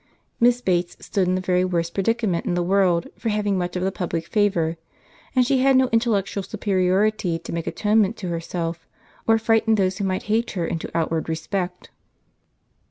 Miss Bates stood in the very worst predicament in the world for having much of the public favour; and she had no intellectual superiority to make atonement to herself, or frighten those who might hate her into outward respect.